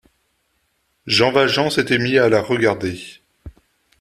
Jean Valjean s’était mis à la regarder.